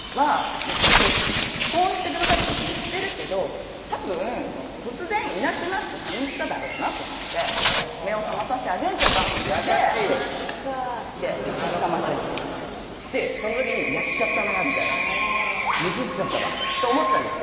「結婚してください」とか言ってるけどたぶん突然いなくなった寂しさだろうなと思って目を覚まさしてあげんといかんと思ってって一発かましといてその時にやっちゃったなみたいなミスっちゃったわと思ったんですけど